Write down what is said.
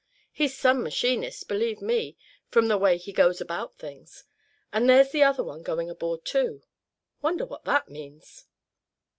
He's some machinist, believe me, from the way he goes about things. And there's the other one going aboard too; wonder what that means?"